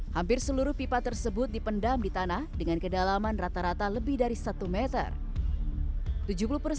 hampir seluruh pipa tersebut dipendam di tanah dengan kedalaman rata rata lebih dari satu meter